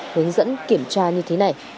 hướng dẫn kiểm tra như thế này